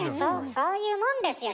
そういうもんですよ